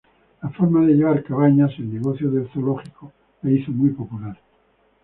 La forma de llevar Cabañas el negocio del zoológico le hizo muy popular.